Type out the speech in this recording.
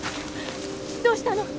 どうしたの？